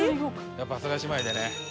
やっぱ阿佐ヶ谷姉妹でね。